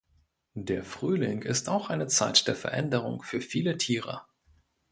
Der Frühling ist auch eine Zeit der Veränderung für viele Tiere.